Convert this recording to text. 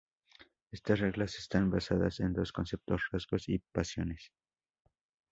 Estas reglas están basadas en dos conceptos: rasgos y pasiones.